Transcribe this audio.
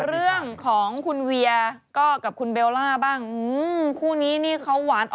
เอามา